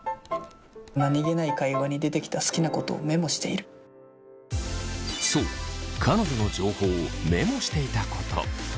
何気ない会話に出てきた好きなことをメモしているそう彼女の情報をメモしていたこと。